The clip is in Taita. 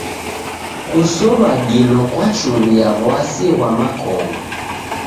Kusow'a dilo kwachuria w'asi ghwa makongo.